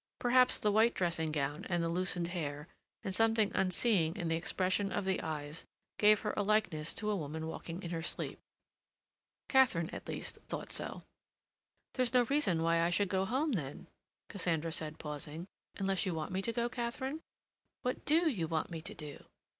Perhaps the white dressing gown, and the loosened hair, and something unseeing in the expression of the eyes gave her a likeness to a woman walking in her sleep. Katharine, at least, thought so. "There's no reason why I should go home, then?" Cassandra said, pausing. "Unless you want me to go, Katharine? What do you want me to do?"